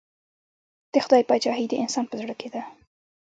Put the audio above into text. د خدای پاچهي د انسان په زړه کې ده.